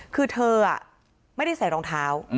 คือเธอไม่ได้ใส่รองเท้า